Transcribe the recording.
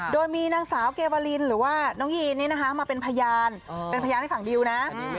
โดยมีนางสาวเกวาลินหรือว่าน้องยีนนี่นะคะมาเป็นพยานเป็นพยานให้ฝั่งดิวนะ